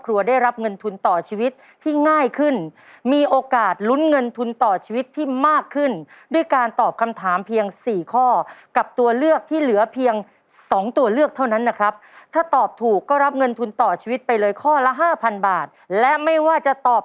กลับเข้าสู่รายการเกมต่อชีวิตครับ